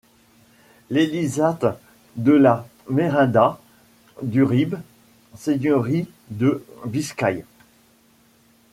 L'Elizate de la Merindad d'Uribe, Seigneurie de Biscaye.